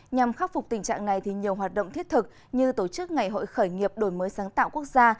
nhằm khắc phục tình trạng này nhiều hoạt động thiết thực như tổ chức ngày hội khởi nghiệp đổi mới sáng tạo quốc gia